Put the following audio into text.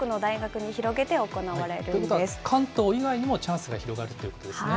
ということは、関東以外にもチャンスが広がるということですね。